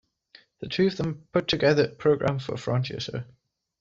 The two of them put together a program for a frontier show.